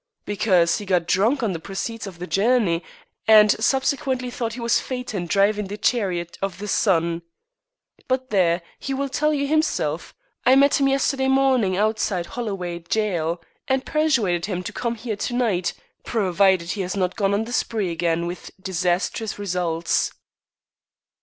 "Because he got drunk on the proceeds of the journey, and subsequently thought he was Phaeton driving the chariot of the sun. But, there, he will tell you himself. I met him yesterday morning outside Holloway Jail, and persuaded him to come here to night, provided he has not gone on the spree again with disastrous results."